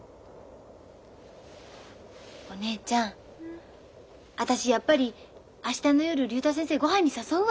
お姉ちゃん私やっぱり明日の夜竜太先生ごはんに誘うわ。